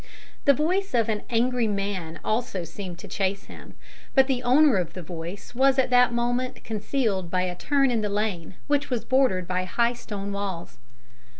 The voice of an angry man also seemed to chase him, but the owner of the voice was at the moment concealed by a turn in the lane, which was bordered by high stone walls.